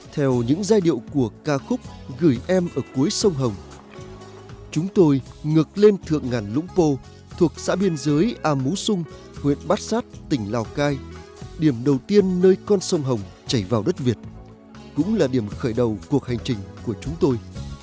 theo những giai điệu của ca khúc gửi em ở cuối sông hồng chúng tôi ngược lên thượng ngàn lũng pô thuộc xã biên giới a mú xung huyện bát sát tỉnh lào cai điểm đầu tiên nơi con sông hồng chảy vào đất việt cũng là điểm khởi đầu cuộc hành trình của chúng tôi